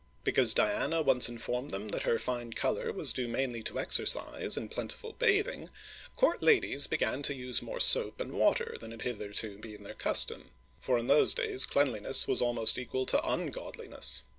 Because Diana once informed them that her fine color was due mainly to exercise and plentiful bathing, court ladies began to use more soap and water than had hitherto been their custom ; for in those days cleanliness was almost equal to ungodliness.